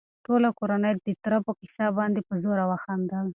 ټوله کورنۍ د تره په کيسه باندې په زوره وخندل.